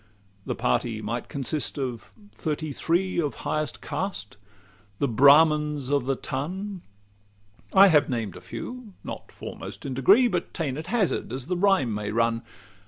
The party might consist of thirty three Of highest caste the Brahmins of the ton. I have named a few, not foremost in degree, But ta'en at hazard as the rhyme may run.